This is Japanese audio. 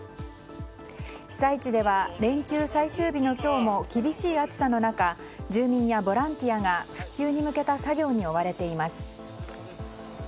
被災地では連休最終日の今日も厳しい暑さの中住民やボランティアが復旧に向けた作業に追われています。